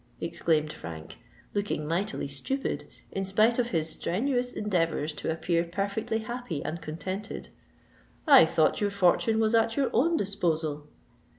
exclaimed Frank, looking mightily stupid, in spite of his strenuous endeavours to appear perfectly happy and contented. "I thought your fortune was at your own disposal?"